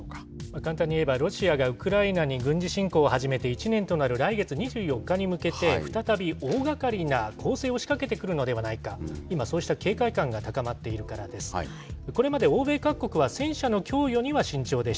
簡単に言えば、ロシアがウクライナに軍事侵攻を始めて１年となる来月２４日に向けて、再び大がかりな攻勢を仕掛けてくるのではないか、今、そうした警戒感が高まっているからです。